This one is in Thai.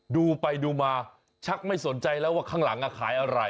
ดูไปดูมาชักไม่สนใจแล้วว่าข้างหลังขายอะไร